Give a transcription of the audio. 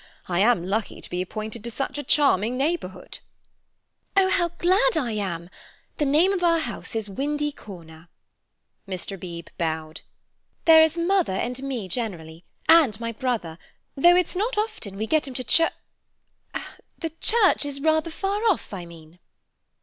I am lucky to be appointed to such a charming neighbourhood." "Oh, how glad I am! The name of our house is Windy Corner." Mr. Beebe bowed. "There is mother and me generally, and my brother, though it's not often we get him to ch—— The church is rather far off, I mean."